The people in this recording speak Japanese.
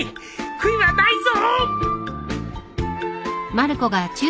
悔いはないぞ！